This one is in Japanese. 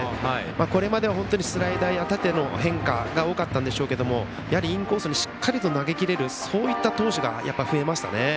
これまではスライダーや縦の変化が多かったんですがインコースに投げきれるそういった投手が増えましたね。